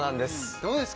どうですか